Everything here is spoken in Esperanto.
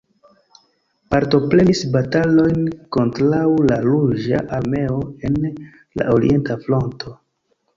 Partoprenis batalojn kontraŭ la Ruĝa Armeo en la orienta fronto.